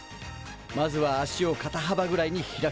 まずは足をかたはばぐらいに開く。